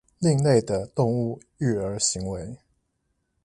另類的動物育兒行為